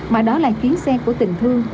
mà đó là chuyến xe của tình thương